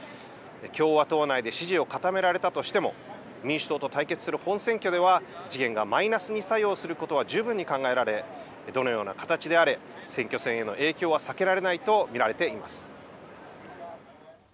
共和党内で支持を固められたとしても、民主党と対決する本選挙では、事件がマイナスに作用することは十分に考えられ、どのような形であれ、選挙戦への影響は避けられないと見られています。